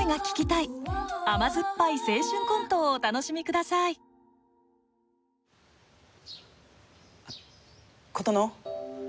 甘酸っぱい青春コントをお楽しみくださいコトノ！